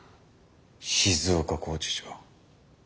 静岡拘置所。